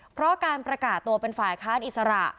เพราะการประกาศตัวเป็นฝ่ายค้านอิสระ